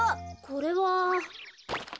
これは。